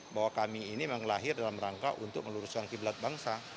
bahwa kami ini memang lahir dalam rangka untuk meluruskan kiblat bangsa